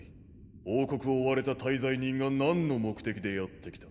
王国を追われた大罪人がなんの目的でやってきた？